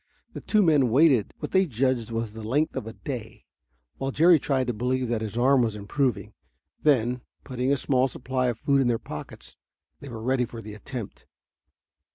The two men waited what they judged was the length of a day, while Jerry tried to believe that his arm was improving. Then, putting a small supply of food in their pockets, they were ready for the attempt.